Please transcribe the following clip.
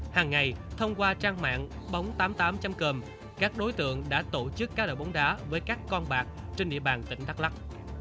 hàng ngày thông qua trang mạng bóng tám mươi tám cơm các đối tượng đã tổ chức cá độ bóng đá với các con bạc trên địa bàn tỉnh đắk lắc